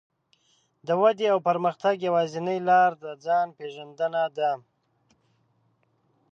د ودې او پرمختګ يوازينۍ لار د ځان پېژندنه ده.